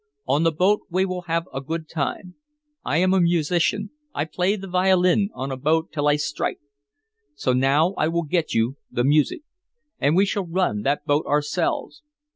On the boat we will have a good time. I am a musician I play the violin on a boat till I strike so now I will get you the music. And we shall run that boat ourselves!